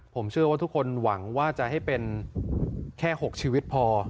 ผมเชื่อว่าทุกคนหวังว่าจะให้เป็นแค่๖ชีวิตพอ